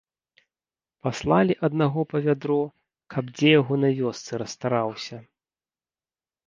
Паслалі аднаго па вядро, каб дзе яго на вёсцы расстараўся.